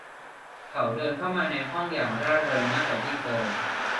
เขาเดินเข้ามาในห้องอย่างร่าเริงมากกว่าที่เคย